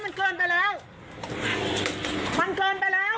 มันเกินไปแล้วมันเกินไปแล้ว